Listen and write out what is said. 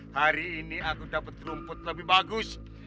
hari ini aku dapat rumput lebih bagus